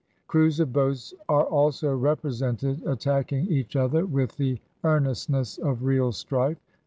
Crews of boats are also represented attacking each other with the ear nestness of real strife.